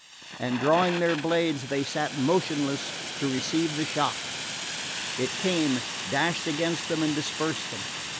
and drawing their blades, they sat motionless to receive the shock. It came, dashed against them and dispersed them.